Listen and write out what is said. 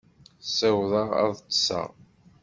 Ssiwḍeɣ ad ṭṭseɣ.